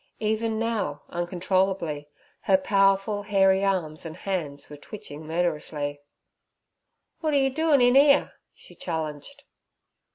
Even now uncontrollably her powerful, hairy arms and hands were twitching murderously. 'Wot are yer doin' in 'ere?' she challenged.